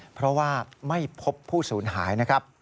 เพราะว่าไม่พบผู้สูญหาย